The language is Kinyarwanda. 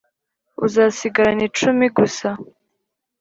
uzasigarana icumi gusa.